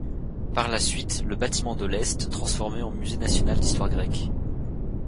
Par la suite, le bâtiment de l' est transformé en musée national d’histoire grecque.